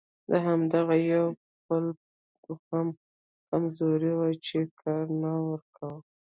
همدغه یو پل هم کمزوری و چې کار نه ورکاوه.